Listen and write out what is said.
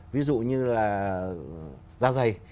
ví dụ như là da dày